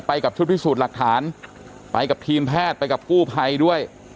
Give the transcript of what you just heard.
กับชุดพิสูจน์หลักฐานไปกับทีมแพทย์ไปกับกู้ภัยด้วย